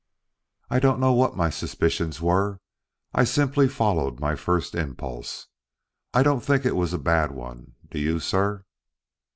"I don't know what my suspicions were. I simply followed my first impulse. I don't think it was a bad one. Do you, sir?"